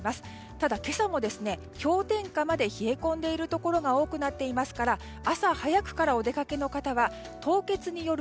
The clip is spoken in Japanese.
ただ今朝も氷点下まで冷え込んでいるところが多くなっていますから朝早くからお出かけの方は凍結による